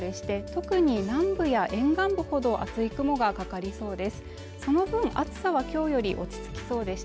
特に南部や沿岸部ほど厚い雲がかかりそうです